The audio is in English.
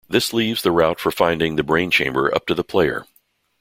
This leaves the route for finding the Brain Chamber up to the player.